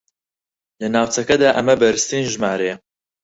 لە ناوچەکەدا ئەمە بەرزترین ژمارەیە